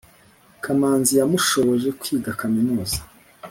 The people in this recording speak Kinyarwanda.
kamanzi yamushoboje kwiga kaminuza.